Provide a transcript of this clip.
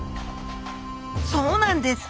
そうなんです！